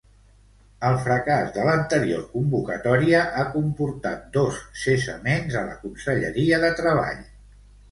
El fracàs de l'anterior convocatòria ha comportat dos cessaments a la conselleria de Treball.